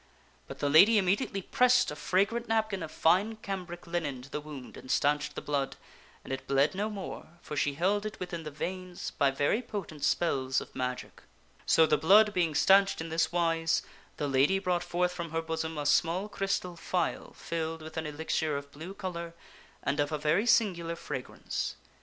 But the lady immediately pressed a fragrant nap kin of fine cambric linen to the wound and stanched the blood, and it bled no more, for she held it within the veins by very potent spells of magic. So, the blood being stanched in this wise, the lady brought TJu Lady ^ ihe forth from her bosom a small crystal phial filled with an elixir ^'g*^ of blue color and of a very singular fragrance.